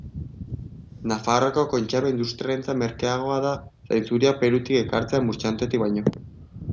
Nafarroako kontserba industriarentzat merkeagoa da zainzuriak Perutik ekartzea Murchantetik baino.